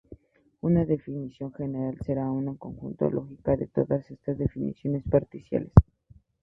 Una definición general será una conjunción lógica de todas estas definiciones parciales.